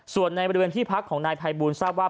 ส่วนในบริเวณที่พักของนายภัยบูลทราบว่า